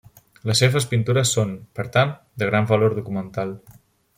Les seves pintures són, per tant, de gran valor documental.